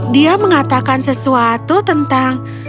dia mengatakan sesuatu tentang